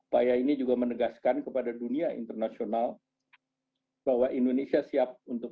pak ya ini juga menegaskan kepada dunia internasional bahwa indonesia siap untuk